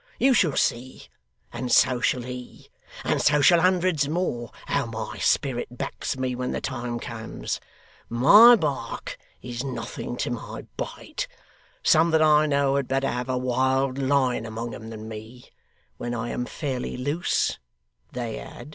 You shall see, and so shall he, and so shall hundreds more, how my spirit backs me when the time comes. My bark is nothing to my bite. Some that I know had better have a wild lion among 'em than me, when I am fairly loose they had!